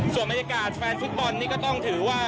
ส่วนบรรยากาศแฟนฟุตบอลนี่ก็ต้องถือว่า